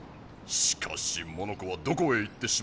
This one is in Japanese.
しかしモノコはどこへ行ってしまったんでしょうか。